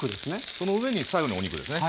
その上に最後にお肉ですね。